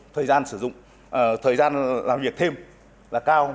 thời gian sử dụng thời gian làm việc thêm là cao